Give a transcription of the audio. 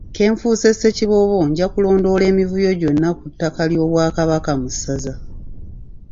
Ke nfuuse Ssekiboobo nja kulondoola emivuyo gyonna ku ttaka ly'Obwakabaka mu ssaza.